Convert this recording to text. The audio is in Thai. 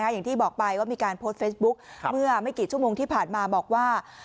อย่างที่บอกไปว่ามีการโพสต์เฟซบุ๊คเมื่อไม่กี่ชั่วโมงที่ผ่านมาบอกว่า